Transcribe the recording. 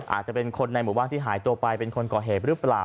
อาจจะเป็นคนในหมู่บ้านที่หายตัวไปเป็นคนก่อเหตุหรือเปล่า